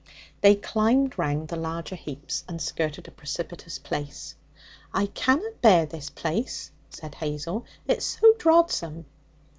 They climbed round the larger heaps and skirted a precipitous place. 'I canna bear this place,' said Hazel; 'it's so drodsome.'